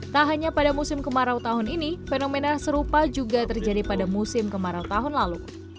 tak hanya pada musim kemarau tahun ini fenomena serupa juga terjadi pada musim kemarau tahun lalu